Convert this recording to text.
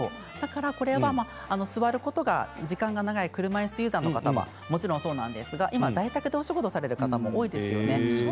座る時間が長い車いすユーザーの方もそうですが今、在宅でお仕事される方も多いですよね。